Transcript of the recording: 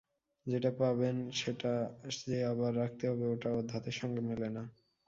যেটা পাবেন সেটা যে আবার রাখতে হবে এটা ওঁর ধাতের সঙ্গে মেলে না।